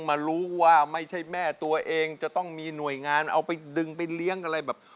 มารู้ว่าไม่ใช่แม่ตัวเองจะต้องมีหน่วยงานเอาไปดึงไปเลี้ยงอะไรแบบ